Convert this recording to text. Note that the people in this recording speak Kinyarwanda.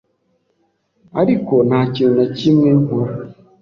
ariko nta kintu na kimwe nkora.